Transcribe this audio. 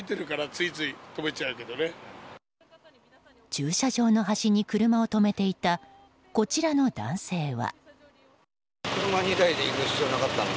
駐車場の端に車を止めていたこちらの男性は。